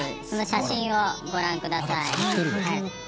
その写真をご覧下さい。